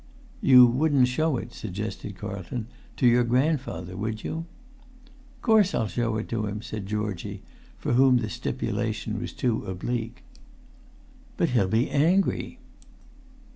"You wouldn't show it," suggested Carlton, "to your grandfather, would you?" "Course I'll show it to him," said Georgie, for whom the stipulation was too oblique. "But he'll be angry!"